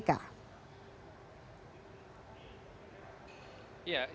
ketua umum partai demokrat susilo bambang yudhoyono